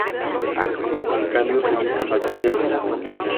En cambio, utilizaba baterías como fuente de energía.